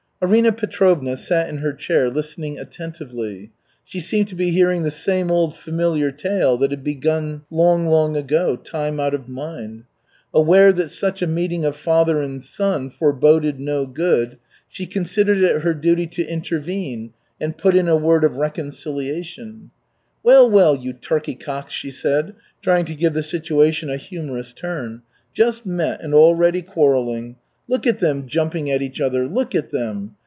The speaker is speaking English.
Arina Petrovna sat in her chair listening attentively. She seemed to be hearing the same old familiar tale that had begun long, long ago, time out of mind. Aware that such a meeting of father and son foreboded no good, she considered it her duty to intervene and put in a word of reconciliation: "Well, well, you turkey cocks!" she said, trying to give the situation a humorous turn. "Just met and already quarreling. Look at them jumping at each other, look at them!